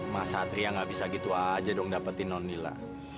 mas satria nggak bisa gitu aja dong dapetin nonila